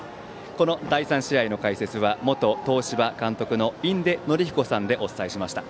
この第３試合の解説は元東芝監督の印出順彦さんでお伝えしました。